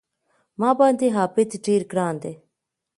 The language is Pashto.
ما باندې عابد ډېر ګران دی